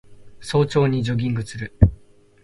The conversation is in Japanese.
早朝にジョギングする